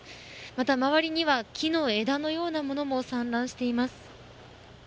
また周りには木の枝のようなものも散乱しています。